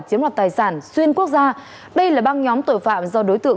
chiếm đoạt tài sản xuyên quốc gia đây là băng nhóm tội phạm do đối tượng